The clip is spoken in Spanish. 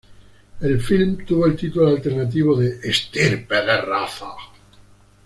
El film tuvo el título alternativo de "Estirpe de raza".